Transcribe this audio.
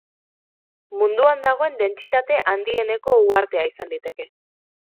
Munduan dagoen dentsitate handieneko uhartea izan liteke.